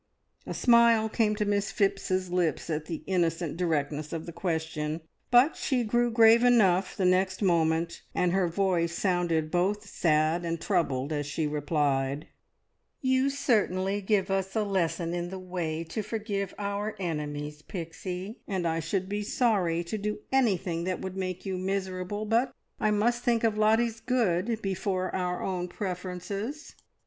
A smile came to Miss Phipps's lips at the innocent directness of the question, but she grew grave enough the next moment, and her voice sounded both sad and troubled as she replied "You certainly give us a lesson in the way to forgive our enemies, Pixie, and I should be sorry to do anything that would make you `miserable'; but I must think of Lottie's good before our own preferences.